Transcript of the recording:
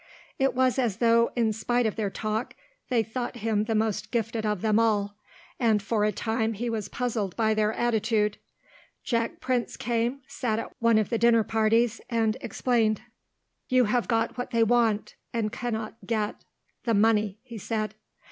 It was as though, in spite of their talk, they thought him the most gifted of them all, and for a time he was puzzled by their attitude. Jack Prince came, sat at one of the dinner parties, and explained. "You have got what they want and cannot get the money," he said.